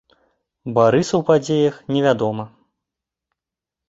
Барыса ў падзеях не вядома.